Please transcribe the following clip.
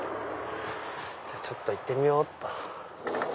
ちょっと行ってみようっと。